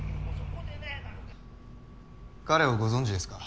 彼をご存じですか？